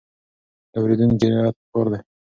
د اورېدونکي رعايت پکار دی.